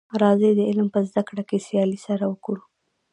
راځی د علم په زده کړه کي سیالي سره وکړو.